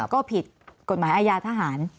ก็ผิดกฎหมายอาญาทหาร